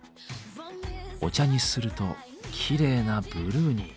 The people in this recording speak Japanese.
お茶にするときれいなブルーに。